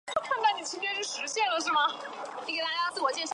我女朋友还在公交站等着，我要快点回去。